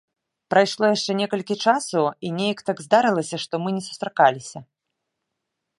Прайшло яшчэ некалькі часу, і нейк так здарылася, што мы не сустракаліся.